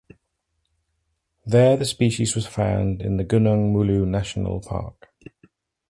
There the species was found in the Gunung Mulu National Park.